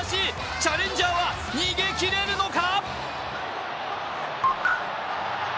チャレンジャーは逃げ切れるのか。